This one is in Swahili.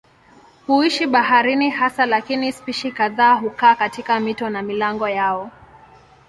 Huishi baharini hasa lakini spishi kadhaa hukaa katika mito na milango yao.